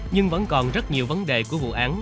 nhưng vẫn còn rất nhiều vấn đề của vụ án